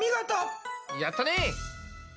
やったね！